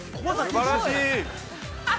すばらしい。